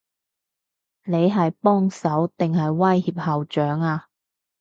你係幫手，定係威脅校長啊？